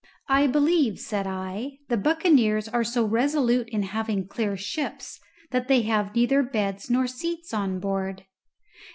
"I believe," said I, "the buccaneers are so resolute in having clear ships that they have neither beds nor seats on board."